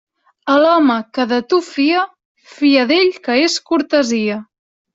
A l'home que de tu fia, fia d'ell que és cortesia.